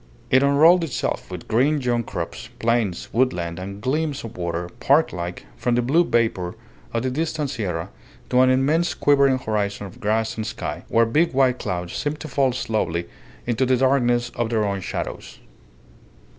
It unrolled itself, with green young crops, plains, woodland, and gleams of water, park like, from the blue vapour of the distant sierra to an immense quivering horizon of grass and sky, where big white clouds seemed to fall slowly into the darkness of their own shadows.